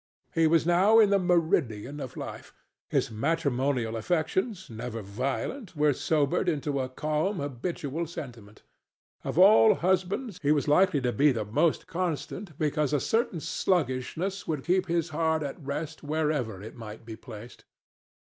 He was now in the meridian of life; his matrimonial affections, never violent, were sobered into a calm, habitual sentiment; of all husbands, he was likely to be the most constant, because a certain sluggishness would keep his heart at rest wherever it might be placed.